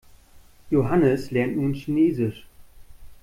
Johannes lernt nun Chinesisch.